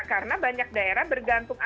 karena banyak daerah bergantung kepada daerah